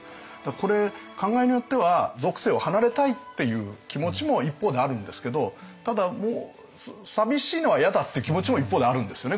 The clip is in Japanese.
これ考えようによっては俗世を離れたいっていう気持ちも一方であるんですけどただ寂しいのは嫌だっていう気持ちも一方であるんですよね